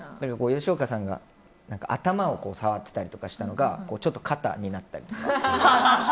吉岡さんが頭を触ってたりとかしたのがちょっと肩になったりとか。